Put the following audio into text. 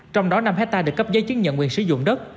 trong đó năm hectare được cấp giấy chứng nhận quyền sử dụng đất